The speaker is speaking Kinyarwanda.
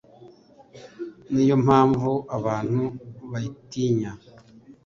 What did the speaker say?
ni yo mpamvu abantu bayitinya